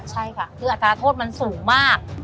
ใช่ค่ะคืออัตราโทษมันสูงมาก